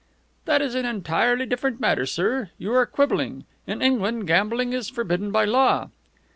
"That is an entirely different matter, sir. You are quibbling. In England gambling is forbidden by law."